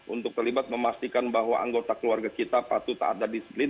untuk terlibat memastikan bahwa anggota keluarga kita patut tak ada disiplin